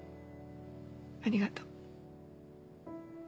ありがとう。